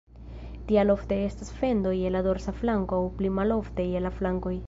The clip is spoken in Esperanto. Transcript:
Tial ofte estas fendo je la dorsa flanko aŭ pli malofte je la flankoj.